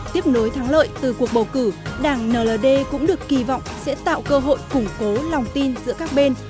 tiếp nối thắng lợi từ cuộc bầu cử đảng nld cũng được kỳ vọng sẽ tạo cơ hội củng cố lòng tin giữa các bên